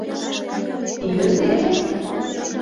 — Тидын дене?